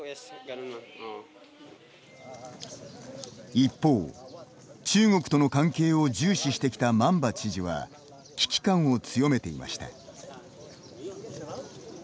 一方、中国との関係を重視してきたマンバ知事は危機感を強めていました。